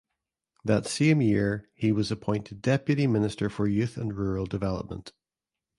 That same year he was appointed deputy minister for Youth and Rural Development.